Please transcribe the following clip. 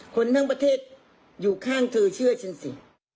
คนทั้งประเทศอยู่ข้างเธอเชื่อฉันสิ